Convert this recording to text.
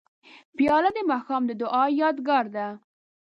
پیاله د ماښام د دعا یادګار ده.